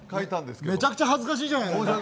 めちゃくちゃ恥ずかしいじゃないですか。